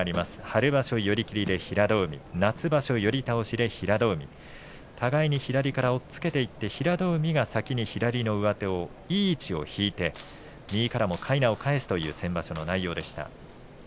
春場所、寄り切りで平戸海夏場所、寄り倒しで平戸海互いに左から押っつけていって平戸海が先に左の上手をいい位置を引いて右からも、かいなを返すという先場所の内容でした。